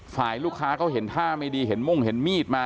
ฝ่ายลูกค้าเขาเห็นท่าไม่ดีเห็นมุ่งเห็นมีดมา